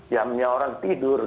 jamnya orang tidur